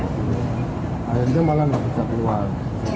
akhirnya malah nggak bisa keluar